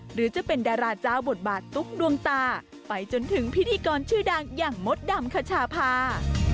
หรือจะเป็นดาราเจ้าบทบาทตุ๊กดวงตาไปจนถึงพิธีกรชื่อดังอย่างมดดำคชาพา